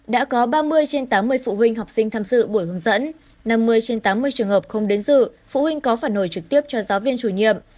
đã có ba mươi trên tám mươi phụ huynh học sinh tham dự buổi hướng dẫn năm mươi trên tám mươi trường hợp không đến dự phụ huynh có phản hồi trực tiếp cho giáo viên chủ nhiệm